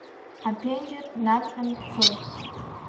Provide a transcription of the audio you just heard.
Аԥенџьыр днадҟьан дцоит.